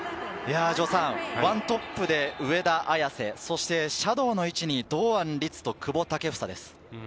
１トップで上田綺世、そしてシャドーの位置に堂安律と久保建英です。